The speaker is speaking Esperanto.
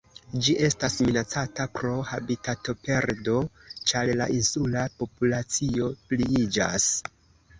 Ĝi estas minacata pro habitatoperdo ĉar la insula populacio pliiĝas.